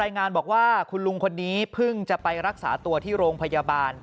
งานบอกว่าคุณลุงคนนี้เพิ่งจะไปรักษาตัวที่โรงพยาบาล